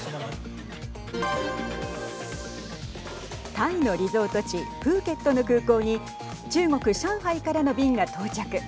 タイのリゾート地プーケットの空港に中国、上海からの便が到着。